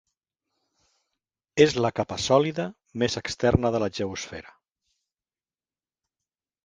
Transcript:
És la capa sòlida més externa de la geosfera.